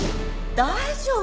大丈夫。